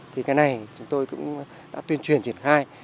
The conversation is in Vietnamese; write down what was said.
thì cái này chúng tôi cũng đã tuyên truyền triển khai